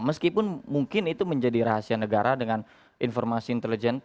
meskipun mungkin itu menjadi rahasia negara dengan informasi intelijen